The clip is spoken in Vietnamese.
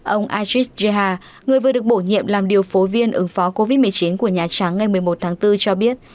ông ajis reha người vừa được bổ nhiệm làm điều phối viên ứng phó covid một mươi chín của nhà trắng ngày một mươi một tháng bốn cho biết